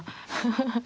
ハハハ。